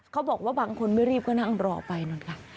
เขาบอกว่าบางคนไม่รีบก็นั่งรอไปนู่นค่ะ